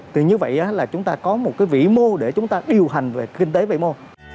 thì như vậy là chúng ta có một cái vĩ mô để chúng ta điều hành về kinh tế vĩ mô